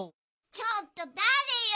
ちょっとだれよ！